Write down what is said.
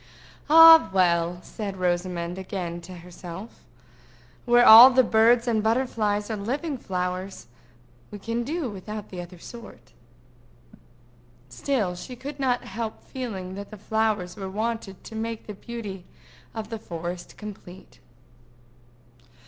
"Ah, well!" said Rosamond again to herself, "where all the birds and butterflies are living flowers, we can do without the other sort." Still she could not help feeling that flowers were wanted to make the beauty of the forest complete.